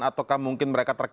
ataukah mungkin mereka terkait